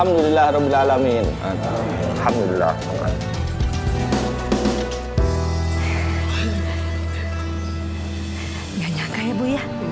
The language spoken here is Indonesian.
kok demam banget ceruk ya bu